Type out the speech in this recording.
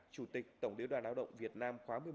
chủ tịch tổng liêu đoàn đạo động việt nam khóa một mươi một